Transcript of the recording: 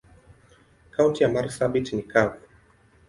Kaunti ya marsabit ni kavu.